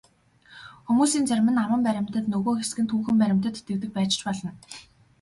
Хүмүүсийн зарим нь аман баримтад, нөгөө хэсэг нь түүхэн баримтад итгэдэг байж ч болно.